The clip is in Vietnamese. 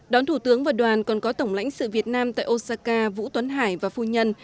đón thủ tướng và đoàn còn có tổng lãnh sự việt nam tại osaka vũ tuấn hải và phu nhân